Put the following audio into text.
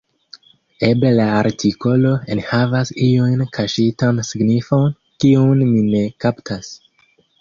Eble la artikolo enhavas iun kaŝitan signifon, kiun mi ne kaptas.